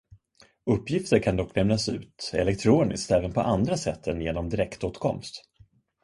Uppgifter kan dock lämnas ut elektroniskt även på andra sätt än genom direktåtkomst.